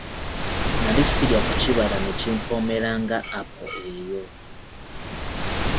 Nnali sirya ku kibala ne kimpoomera nga apo eyo.